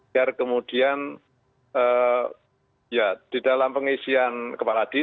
biar kemudian di dalam pengisian kepala diri